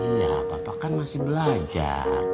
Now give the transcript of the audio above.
iya papa kan masih belajar